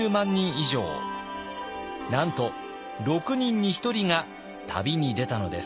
なんと６人に１人が旅に出たのです。